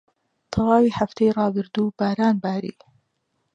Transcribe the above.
تەواوی هەفتەی ڕابردوو باران باری.